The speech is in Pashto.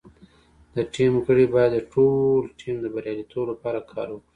د ټیم غړي باید د ټول ټیم د بریالیتوب لپاره کار وکړي.